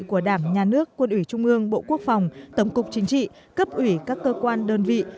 của đảng nhà nước quân ủy trung ương bộ quốc phòng tổng cục chính trị cấp ủy các cơ quan đơn vị